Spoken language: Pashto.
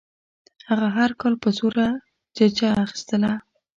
هغه هر کال په زوره ججه اخیستله.